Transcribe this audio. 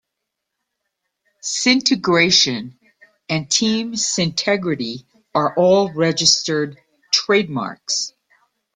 "Syntegration" and "Team Syntegrity" are all registered trademarks.